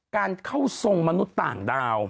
การเข้าทรงมนุษย์ต่างดาว